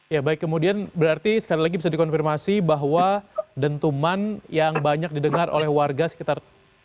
ya baik kemudian berarti sekali lagi bisa dikonfirmasi bahwa dentuman yang banyak didengar oleh warga sekitar